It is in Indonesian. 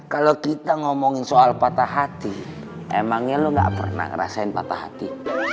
kalau kita ngomongin soal patah hati emangnya lo gak pernah ngerasain patah hati